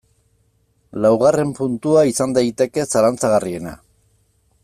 Laugarren puntua izan daiteke zalantzagarriena.